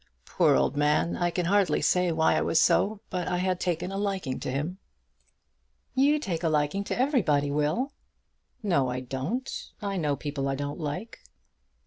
Poor old man! I can hardly say why it was so, but I had taken a liking to him." "You take a liking to everybody, Will." "No I don't. I know people I don't like."